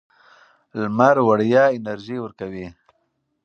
لمر وړیا انرژي ورکوي.